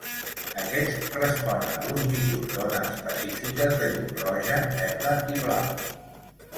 Aquests responen a longituds d'ona específiques de llum roja, verda i blava.